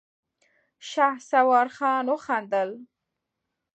شهسوار خان وخندل.